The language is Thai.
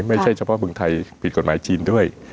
ไม่ใช่เฉพาะเมืองไทยผิดกฎหมายจีนด้วย